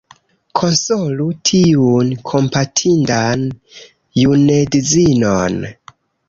Konsolu tiun kompatindan junedzinon!..